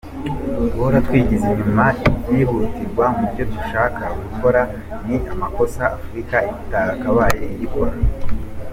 Guhora twigize inyuma ibyihutirwa mu byo dushaka gukora ni amakosa Afurika itakabaye igikora.